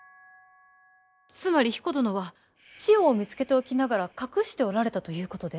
つまり彦殿は千代を見つけておきながら隠しておられたということで？